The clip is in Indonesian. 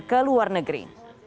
ke luar negeri